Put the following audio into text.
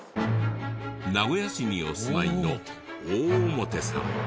名古屋市にお住まいの大表さん。